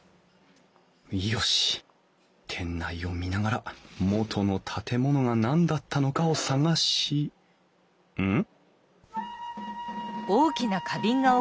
よし店内を見ながら元の建物が何だったのかを探しうん？